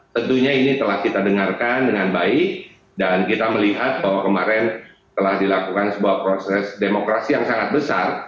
tentunya ini telah kita dengarkan dengan baik dan kita melihat bahwa kemarin telah dilakukan sebuah proses demokrasi yang sangat besar